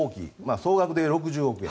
総額で６０億円。